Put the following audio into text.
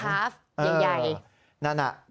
ที่เป็นลูกพระคราฟย์ใหญ่